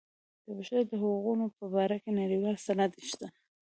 د بشر د حقونو په باره کې نړیوال سند شته.